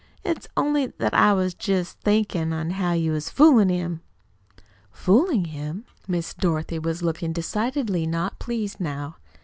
It's only that I was jest a thinkin' how you was foolin' him." "Fooling him?" Miss Dorothy was looking decidedly not pleased now.